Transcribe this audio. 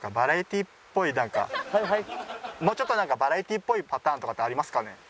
もうちょっとなんかバラエティーっぽいパターンとかってありますかね？